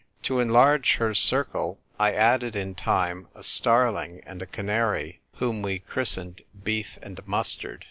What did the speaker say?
To enlarge her circle I added in time a starling and a canary, whom we christened Beef and Mustard.